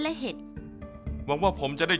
ซุปไก่เมื่อผ่านการต้มก็จะเข้มขึ้น